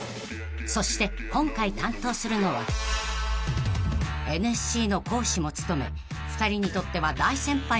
［そして今回担当するのはＮＳＣの講師も務め２人にとっては大先輩の野々村さん］